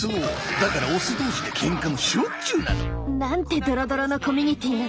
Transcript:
だからオス同士でケンカもしょっちゅうなの。なんてドロドロのコミュニティーなの？